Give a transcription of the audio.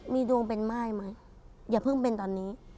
มีดวงเป็นม่ายไหมอย่าเพิ่งเป็นตอนนี้